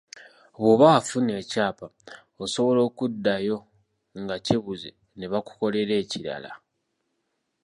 Bw’oba wafuna ekyapa, osobola okuddayo nga kibuze ne bakukolera ekirala.